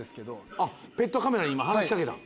あっペットカメラに今話しかけたん？